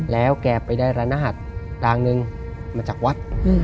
แล้วแกไปได้ระนาหัสรางนึงมาจากวัด